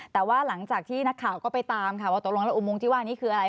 แต่ว่าหลังจากที่นักข่าวก็ไปตามค่ะว่าตกลงแล้วอุโมงที่ว่านี้คืออะไร